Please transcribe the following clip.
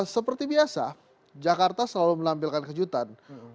seperti biasa jakarta selalu menampilkan kejutan